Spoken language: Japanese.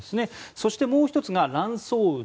そして、もう１つが乱層雲。